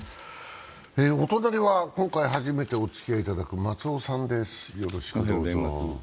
お隣は今回初めておつきあいいただく松尾さんです。